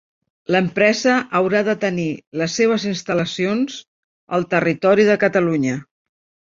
L'empresa haurà de tenir les seves instal·lacions al territori de Catalunya.